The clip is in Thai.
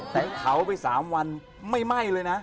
แต่งเผาไป๓วันไม่ไหม้เลยนะ